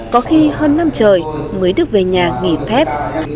có khi hơn năm trời mới đức về nhà nghỉ phép